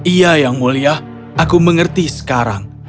iya yang mulia aku mengerti sekarang